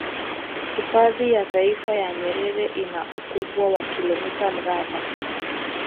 Hifadhi ya taifa ya Nyerere ina ukubwa wa kilomita mraba